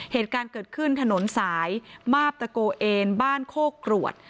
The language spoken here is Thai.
เหตุการณ์เกิดขึ้นถนนสายมาบตะโกเอนบ้านโคกรวด